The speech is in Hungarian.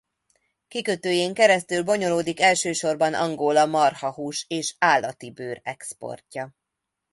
Kikötőjén keresztül bonyolódik elsősorban Angola marhahús és állati bőr exportja.